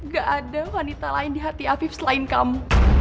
gak ada wanita lain di hati afif selain kamu